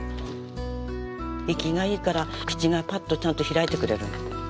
生きがいいから口がパッとちゃんと開いてくれる。